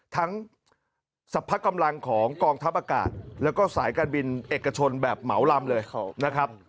สรรพกำลังของกองทัพอากาศแล้วก็สายการบินเอกชนแบบเหมาลำเลยนะครับ